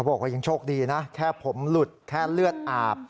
บอกว่ายังโชคดีนะแค่ผมหลุดแค่เลือดอาบ